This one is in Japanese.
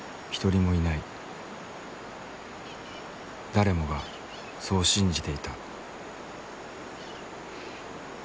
誰もがそう信じていた。